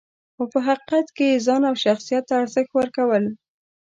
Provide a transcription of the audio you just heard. خو په حقیقت کې یې ځان او شخصیت ته ارزښت ورکول .